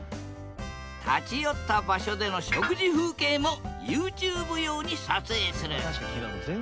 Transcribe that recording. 立ち寄った場所での食事風景もＹｏｕＴｕｂｅ用に撮影する。